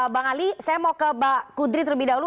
bang ali saya mau ke mbak kudri terlebih dahulu